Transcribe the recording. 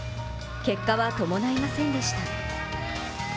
結果は伴いませんでした。